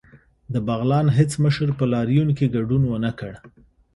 د بغلان هیڅ مشر په لاریون کې ګډون ونکړ